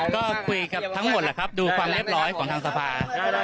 ก็คุยกับทั้งหมดแหละครับดูความเรียบร้อยของทางสภา